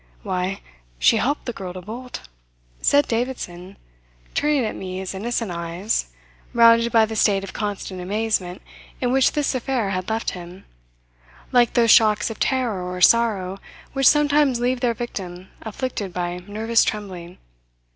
"Why, she helped the girl to bolt," said Davidson turning at me his innocent eyes, rounded by the state of constant amazement in which this affair had left him, like those shocks of terror or sorrow which sometimes leave their victim afflicted by nervous trembling.